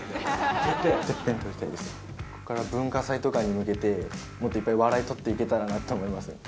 ここから文化祭とかに向けてもっといっぱい笑いとっていけたらなと思いますね